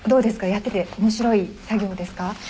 やってて面白い作業ですか？